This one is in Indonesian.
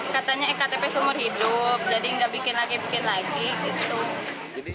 katanya ektp seumur hidup jadi nggak bikin lagi bikin lagi gitu